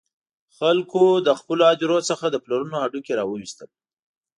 خلکو له خپلو هدیرو څخه د پلرونو هډوکي را وویستل.